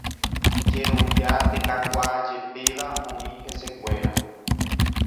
Jerovia ndekakuaajepéva oĩ hesekuéra.